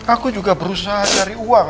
aku juga berusaha cari uang